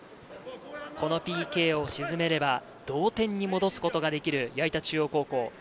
このＰＫを沈めれば同点に戻すことができる矢板中央高校。